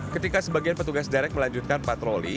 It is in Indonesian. ketika sebagian petugas derek melanjutkan patroli